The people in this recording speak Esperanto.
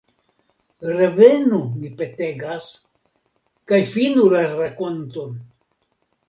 Revenu, mi petegas, kaj finu la rakonton.